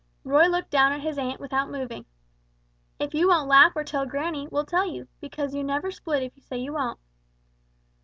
Roy looked down at his aunt without moving. "If you won't laugh or tell granny, we'll tell you, because you never split if you say you won't."